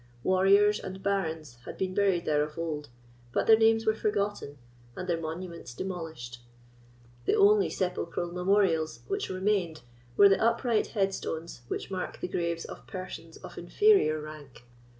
Warriors and barons had been buried there of old, but their names were forgotten, and their monuments demolished. The only sepulchral memorials which remained were the upright headstones which mark the graves of persons of inferior rank.